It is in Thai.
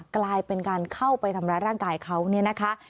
กลายเป็นการเข้าไปทำร้ายร่างกายเขาเนี่ยนะคะ